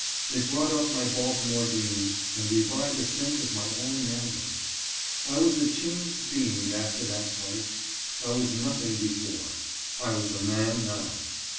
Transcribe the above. It brought up my Baltimore dreams and revived a sense of my own manhood. I was a changed being after that fight. I was nothing before ;/ was a man now.